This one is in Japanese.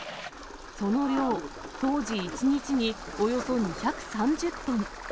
その量、当時１日におよそ２３０トン。